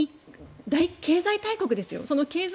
経済大国ですよ。